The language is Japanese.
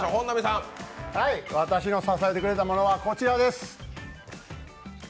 私の支えてくれたものはこちらです。